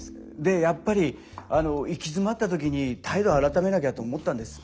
やっぱり行き詰まった時に態度改めなきゃと思ったんです。